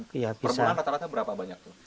per bulan rata rata berapa banyak tuh